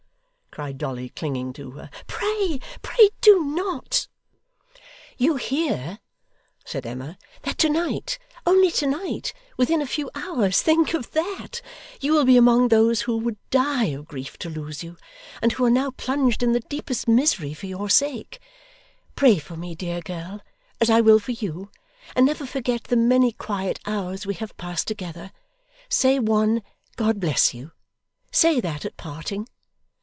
cried Dolly, clinging to her. 'Pray, pray, do not!' 'You hear,' said Emma, 'that to night only to night within a few hours think of that! you will be among those who would die of grief to lose you, and who are now plunged in the deepest misery for your sake. Pray for me, dear girl, as I will for you; and never forget the many quiet hours we have passed together. Say one "God bless you!" Say that at parting!